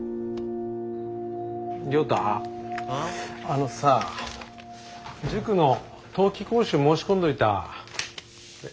あのさ塾の冬季講習申し込んどいた。